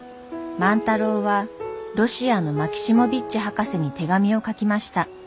万太郎はロシアのマキシモヴィッチ博士に手紙を書きました。